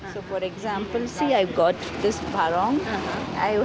misalnya lihat saya memiliki barong ini